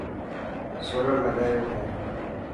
سولر لگايو هي.